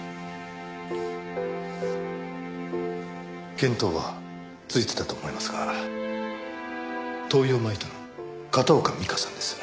見当はついてたと思いますが灯油を撒いたの片岡美加さんです。